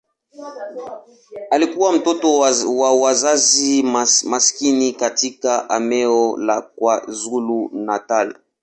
Alikuwa mtoto wa wazazi maskini katika eneo la KwaZulu-Natal.